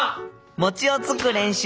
餅をつく練習。